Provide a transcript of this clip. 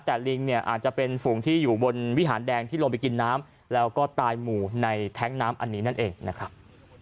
แต่ลิงเนี่ยอาจจะเป็นฝูงที่อยู่บนวิหารแดงที่ลงไปกินน้ำแล้วก็ตายหมู่ในแท้งน้ำอันนี้นั่นเองนะครับ